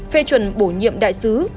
phê chuẩn bổ nhiệm đại sứ